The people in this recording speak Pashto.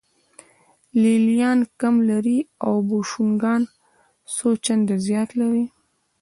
لې لیان کم لري او بوشونګان څو چنده زیات لري